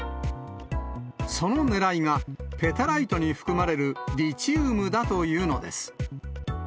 そのねらいが、ペタライトに含まれるリチウムだというのです。